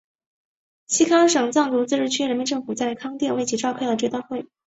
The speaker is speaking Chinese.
西康省藏族自治区人民政府在康定为其召开了追悼会。